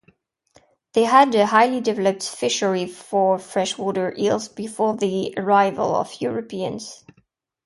They had a highly developed fishery for freshwater eels before the arrival of Europeans.